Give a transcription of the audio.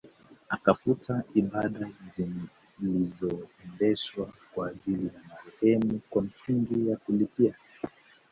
Akafuta ibada zilizoendeshwa kwa ajili ya marehemu kwa msingi wa kulipia